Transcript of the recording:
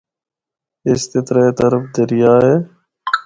اس دے ترے طرف دریا اے۔